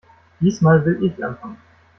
Diesmal will ich anfangen.